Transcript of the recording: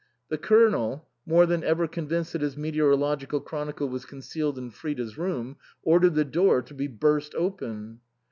The Colonel, more than ever convinced that his meteorological chronicle was concealed in Frida's room, ordered the door to be burst open.